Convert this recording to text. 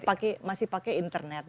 tapi masih pakai internet